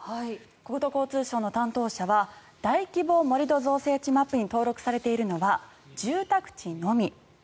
国土交通省の担当者は大規模盛土造成地マップに登録されているのは住宅地のみ。